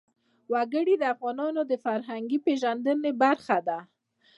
وګړي د افغانانو د فرهنګي پیژندنې برخه ده.